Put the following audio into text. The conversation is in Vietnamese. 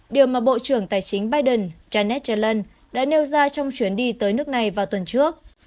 điều mà bộ trưởng tài chính biden janet zelen đã nêu ra trong chuyến đi tới nước này vào tuần trước